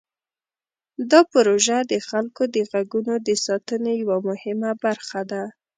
دا پروژه د خلکو د غږونو د ساتنې یوه مهمه برخه ده.